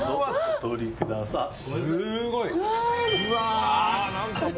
すごい！